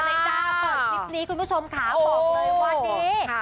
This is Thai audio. เปิดคลิปนี้คุณผู้ชมค่ะบอกเลยว่า